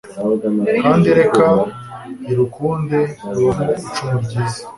Kandi reka irukunde Rubamo icumu ryiza